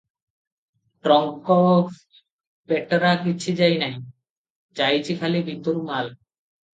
Trunk ପେଟରା କିଛି ଯାଇ ନାହିଁ- ଯାଇଚି ଖାଲି ଭିତରୁ ମାଲ ।